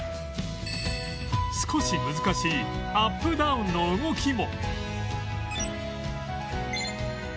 少し難しいアップダウンの動きも